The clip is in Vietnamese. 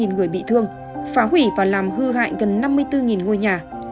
hơn một mươi hai người bị thương phá hủy và làm hư hại gần năm mươi bốn ngôi nhà